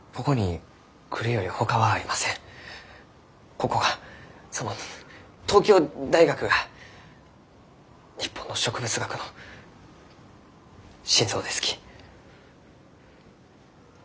ここがその東京大学が日本の植物学の心臓ですき。